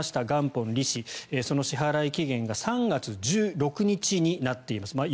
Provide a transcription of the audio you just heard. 元本、利子その支払期限が３月１６日になっています。